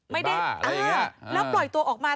ไม่ได้แล้วปล่อยตัวออกมา